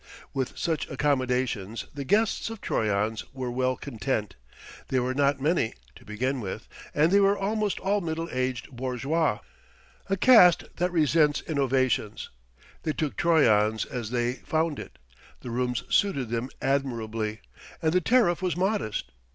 With such accommodations the guests of Troyon's were well content. They were not many, to begin with, and they were almost all middle aged bourgeois, a caste that resents innovations. They took Troyon's as they found it: the rooms suited them admirably, and the tariff was modest.